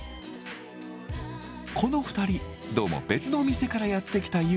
この２人どうも別の店からやって来た遊女のようです。